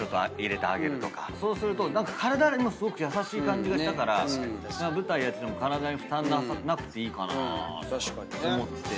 そうすると何か体にもすごく優しい感じがしたから舞台やってても体に負担なくていいかなとか思って。